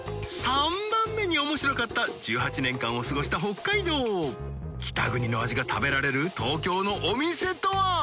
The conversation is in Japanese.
３番目に面白かった１８年間を過ごした北海道北国の味が食べられる東京のお店とは？